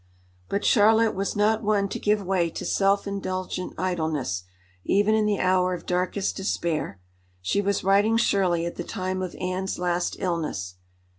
But Charlotte was not one to give way to self indulgent idleness, even in the hour of darkest despair. She was writing Shirley at the time of Anne's last illness.